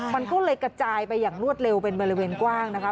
มันก็เลยกระจายไปอย่างรวดเร็วเป็นบริเวณกว้างนะคะ